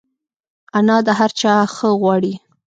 انا د هر چا ښه غواړي